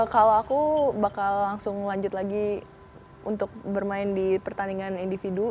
kalau aku bakal langsung lanjut lagi untuk bermain di pertandingan individu